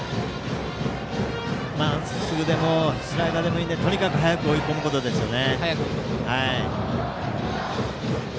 まっすぐでもスライダーでもいいのでとにかく早く追い込むことですね。